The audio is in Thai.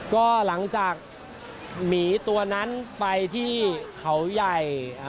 ก็หลังจากหมีตัวนั้นไปที่เขาใหญ่